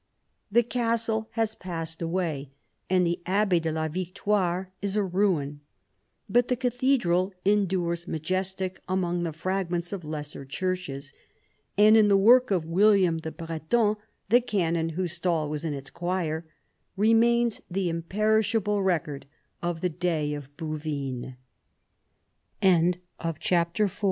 The castle has passed away, and the abbaye de la Victoire is a ruin, but the cathedral endures majestic amid the fragments of lesser churches ; and in the work of William the Breton, the canon whose stall was in its choir, remains the imperishable